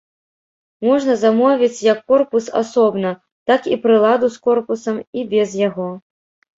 Можна замовіць як корпус асобна, так і прыладу з корпусам і без яго.